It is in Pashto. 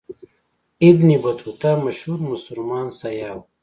ابن بطوطه مشهور مسلمان سیاح و.